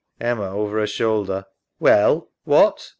EMMA (over her shoulder). Well, what?